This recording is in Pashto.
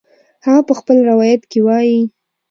هغه په خپل روایت کې وایي